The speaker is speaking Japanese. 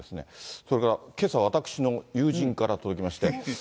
それから、けさ、私の友人から届きまして。